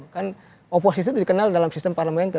kan oposisi itu dikenal dalam sistem parlementer